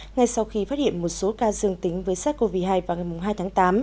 ngay sau khi phát hiện một số ca dương tính với sars cov hai vào ngày hai tháng tám